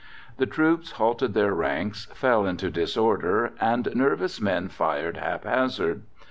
The troops halted, their ranks fell into disorder, and nervous men fired haphazard.